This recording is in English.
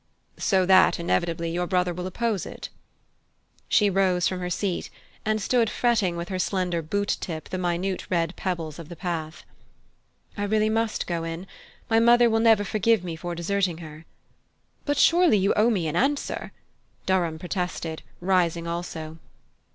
"So that, inevitably, your brother will oppose it?" She rose from her seat, and stood fretting with her slender boot tip the minute red pebbles of the path. "I must really go in: my mother will never forgive me for deserting her." "But surely you owe me an answer?" Durham protested, rising also.